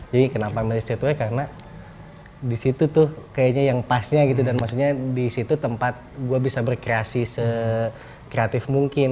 jadi kenapa milih streetwear karena disitu tuh kayaknya yang pasnya gitu dan maksudnya disitu tempat gua bisa berkreasi sekreatif mungkin